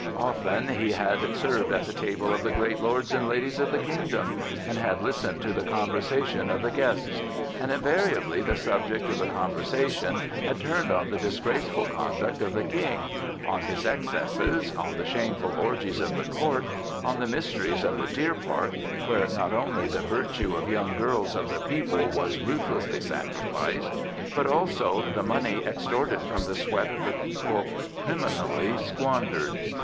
Often he had served at the table of the great lords and ladies of the kingdom and had listened to the conversation of the guests; and invariably the subject of the conversation had turned on the disgraceful conduct of the King, on his excesses, on the shameful orgies of the court, on the mysteries of the "deer park," where not only the virtue of young girls of the people was ruthlessly sacrificed, but also the money extorted from the sweat of the people criminally squandered.